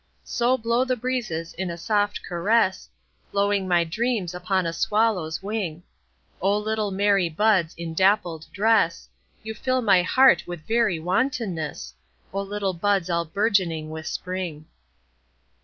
So blow the breezes in a soft caress, Blowing my dreams upon a swallow's wing;O little merry buds in dappled dress, You fill my heart with very wantonness—O little buds all bourgeoning with Spring!